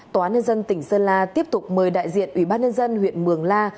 tòa án nhân dân tỉnh sơn la tiếp tục mời đại diện ủy ban nhân dân huyện mường la